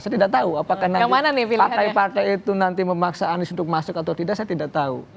saya tidak tahu apakah partai partai itu nanti memaksa anies untuk masuk atau tidak saya tidak tahu